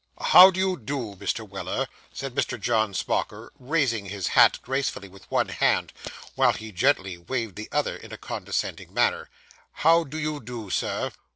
'How do you do, Mr. Weller?' said Mr. John Smauker, raising his hat gracefully with one hand, while he gently waved the other in a condescending manner. 'How do you do, Sir?